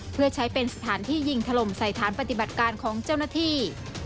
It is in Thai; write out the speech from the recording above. เพื่อใช้เป็นสถานที่ยิงถล่มใส่ฐานปฏิบัติการของเจ้าหน้าที่